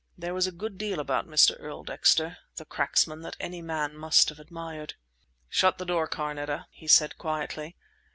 There was a good deal about Mr. Earl Dexter, the cracksman, that any man must have admired. "Shut the door, Carneta," he said quietly.